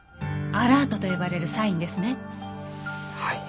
アラートと呼ばれるサインですね。